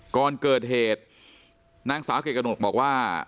ก่อนเกิดเหตุนางสาวเกรกระหนกบอกว่า